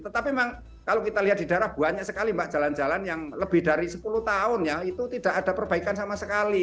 tetapi memang kalau kita lihat di daerah banyak sekali mbak jalan jalan yang lebih dari sepuluh tahun ya itu tidak ada perbaikan sama sekali